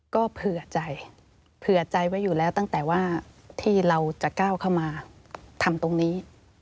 ก็เผื่อใจเผื่อใจไว้อยู่แล้วตั้งแต่ว่าที่เราจะก้าวเข้ามาทำตรงนี้